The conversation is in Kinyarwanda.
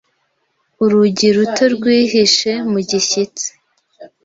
Urugi ruto rwihishe mu gishyitsi